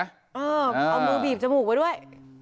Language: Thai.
เอามือบีบจมูกไว้ด้วย